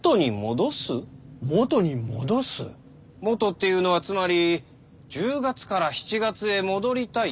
元っていうのはつまり１０月から７月へ戻りたい。